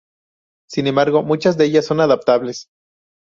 Sin embargo, muchas de ellas son adaptables.